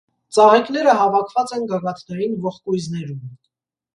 Ծաղիկները հավաքված են գագաթնային ողկույզներում։